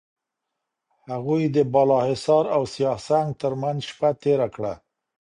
هغوی د بالاحصار او سیاه سنگ ترمنځ شپه تېره کړه.